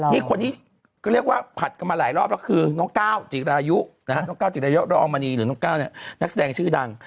นี่คนนี้ก็เรียกว่าผัดกันมาหลายรอบแล้วคือน้องก้าวจิรายุนะฮะน้องก้าวจิรายุรองมณีหรือน้องก้าวเนี่ยนักแสดงชื่อดัง